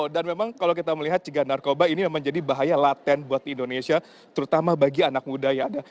dan memang kalau kita melihat cegah narkoba ini memang jadi bahaya laten buat indonesia terutama bagi anak muda ya